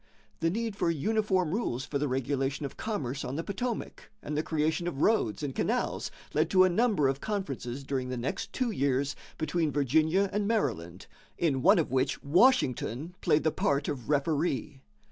The need for uniform rules for the regulation of commerce on the Potomac and the creation of roads and canals led to a number of conferences during the next two years between Virginia and Maryland, in one of which Washington played the part of referee.